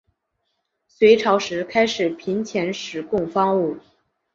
隋朝时开始频遣使贡方物。